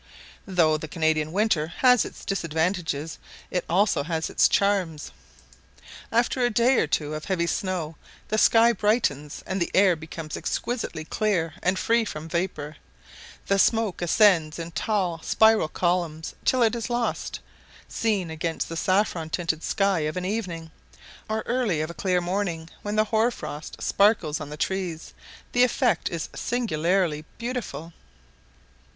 Though the Canadian winter has its disadvantages, it also has its charms. After a day or two of heavy snow the sky brightens, and the air becomes exquisitely clear and free from vapour; the smoke ascends in tall spiral columns till it is lost: seen against the saffron tinted sky of an evening, or early of a clear morning, when the hoar frost sparkles on the trees, the effect is singularly beautiful.